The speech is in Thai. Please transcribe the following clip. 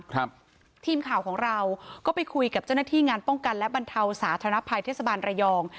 ครับทีมข่าวของเราก็ไปคุยกับเจ้าหน้าที่งานป้องกันและบรรเทาสาธารณภัยเทศบาลระยอง